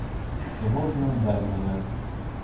В тревожную даль зовёт.